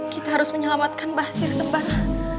kita harus menyelamatkan basir sembah